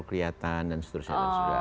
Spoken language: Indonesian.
kelihatan dan seterusnya